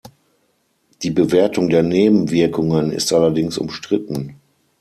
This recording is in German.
Die Bewertung der Nebenwirkungen ist allerdings umstritten.